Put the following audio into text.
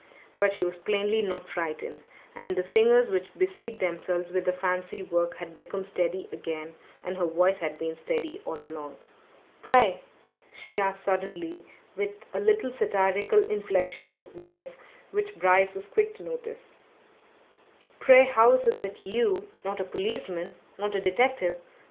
But she was plainly not frightened. And the fingers which busied themselves with the fancy work had become steady again, and her voice had been steady all along. "Pray," she asked suddenly, and with a little satirical inflection of voice which Brice was quick to notice, "pray, how is it that you not a policeman, not a detective!